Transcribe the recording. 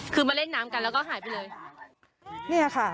คือมาเล่นน้ำกันแล้วก็หายไปเลย